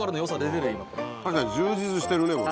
確かに充実してるねこれ。